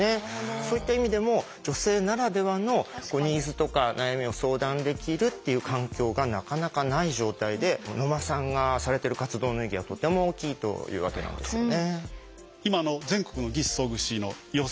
そういった意味でも女性ならではのニーズとか悩みを相談できるっていう環境がなかなかない状態で野間さんがされてる活動の意義はとても大きいというわけなんですよね。